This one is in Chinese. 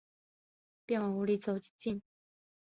便往屋里走进